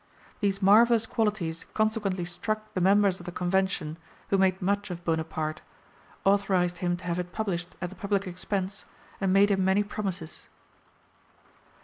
These marvellous qualities consequently struck the members of the Convention, who made much of Bonaparte, authorised him to have it published at the public expense, and made him many promises."